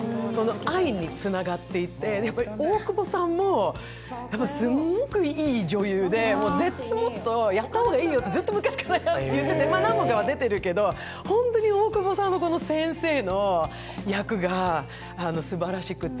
愛につながっていって、大久保さんもすごくいい女優で、もっとやった方がいいよってずっと昔から言ってて、何本から出てるけど本当に大久保さんの先生の役がすばらしくて。